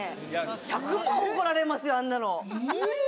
１００パー怒られますよ、あんなの。